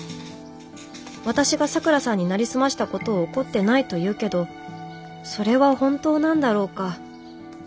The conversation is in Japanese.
私がさくらさんになりすましたことを怒ってないというけどそれは本当なんだろうか。